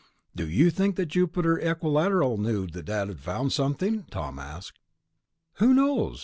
"Do you think that Jupiter Equilateral knew Dad had found something?" Tom asked. "Who knows?